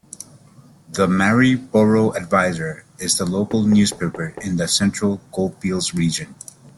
"The Maryborough Advertiser" is the local newspaper in the Central Goldfields region.